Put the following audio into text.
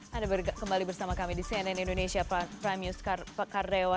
hai ada bergembali bersama kami di cnn indonesia prime news kar pekar dewa